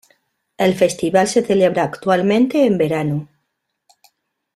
El festival se celebra actualmente en verano.